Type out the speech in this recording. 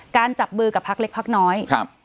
การจับบือกับพรรคเล็กพรรคน้อย